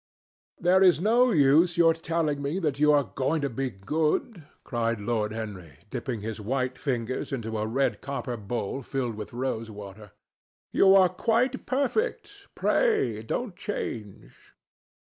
"There is no use your telling me that you are going to be good," cried Lord Henry, dipping his white fingers into a red copper bowl filled with rose water. "You are quite perfect. Pray, don't change."